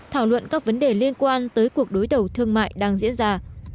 thảo luận các vấn đề liên quan tới cuộc đối đầu thương mại đang diễn ra